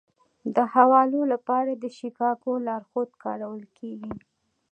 د حوالو لپاره د شیکاګو لارښود کارول کیږي.